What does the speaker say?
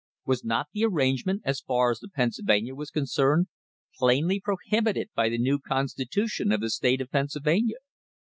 Was not the arrangement, as far as the Pennsylvania was concerned, plainly prohibited by the new constitution of the state of Pennsylvania?